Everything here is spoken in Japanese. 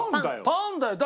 パンだよ。